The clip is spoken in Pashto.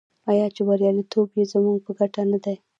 آیا چې بریالیتوب یې زموږ په ګټه نه دی؟